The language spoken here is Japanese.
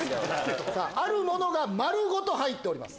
あるものが丸ごと入っております。